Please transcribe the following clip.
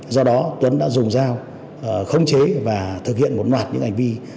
do đó tuấn đã dùng dao khống chế và thực hiện một loạt những hành vi